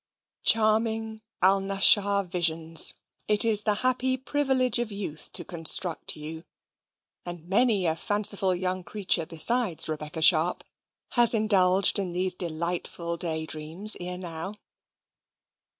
Charming Alnaschar visions! it is the happy privilege of youth to construct you, and many a fanciful young creature besides Rebecca Sharp has indulged in these delightful day dreams ere now!